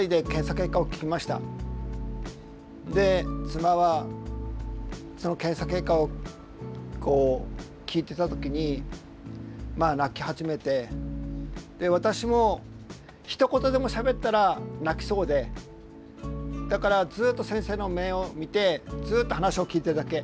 で妻はその検査結果を聞いてた時にまあ泣き始めて私もひと言でもしゃべったら泣きそうでだからずっと先生の目を見てずっと話を聞いてるだけ。